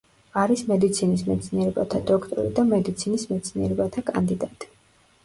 არის მედიცინის მეცნიერებათა დოქტორი და მედიცინის მეცნიერებათა კანდიდატი.